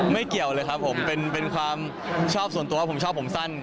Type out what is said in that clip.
เกี่ยวเลยครับผมเป็นความชอบส่วนตัวผมชอบผมสั้น